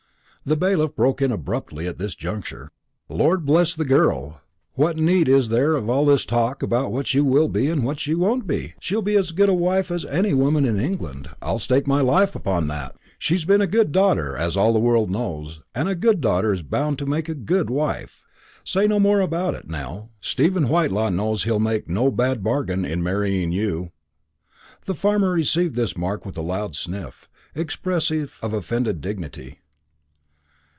The bailiff broke in abruptly at this juncture. "Lord bless the girl, what need is there of all this talk about what she will be and what she won't be? She'll be as good a wife as any woman in England, I'll stake my life upon that. She's been a good daughter, as all the world knows, and a good daughter is bound to make a good wife. Say no more about it, Nell. Stephen Whitelaw knows he'll make no bad bargain in marrying you." The farmer received this remark with a loud sniff, expressive of offended dignity.